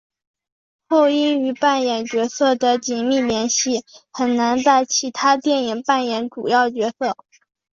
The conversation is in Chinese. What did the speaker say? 后因与扮演角色的紧密联系很难在其他电影扮演主要角色。